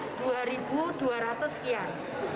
nah yang kreatif itu dua ribu dua ratus sekian